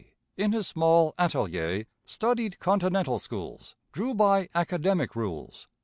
In his small atelier, Studied Continental Schools, Drew by Academic rules.